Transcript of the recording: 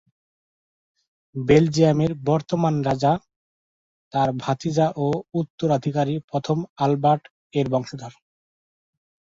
বেলজিয়ামের বর্তমান রাজা, তার ভাতিজা ও উত্তরাধিকারী প্রথম আলবার্ট এর বংশধর।